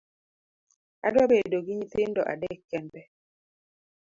Adwa bedo gi nyithindo adek kende.